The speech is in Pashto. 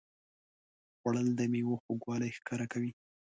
خوړل د میوو خوږوالی ښکاره کوي